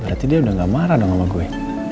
berarti dia udah gak marah dong sama gue